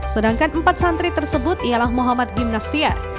sedangkan empat santri tersebut ialah muhammad gimnastiar